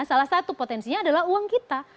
salah satu potensinya adalah uang kita